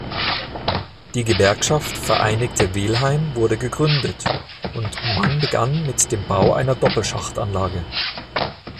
Die Gewerkschaft Vereinigte Welheim wurde gegründet, und man begann mit dem Bau einer Doppelschachtanlage.